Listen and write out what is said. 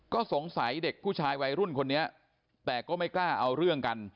ก็สงสัยเด็กผู้ชายวัยรุ่นคนนี้แต่ก็ไม่กล้าเอาเรื่องกัน